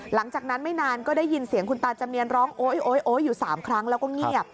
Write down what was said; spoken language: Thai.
หลังจากนั้นไม่นานก็ได้ยินเสียงคุณตาจำเนียนร้องโอ๊ยโอ๊ยโอ๊ยอยู่๓ครั้งแล้วก็เงียบ